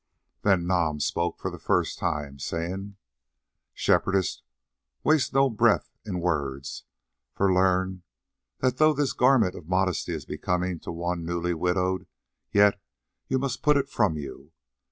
Then Nam spoke for the first time, saying: "Shepherdess, waste no breath in words, for learn that though this garment of modesty is becoming to one new widowed, yet you must put it from you.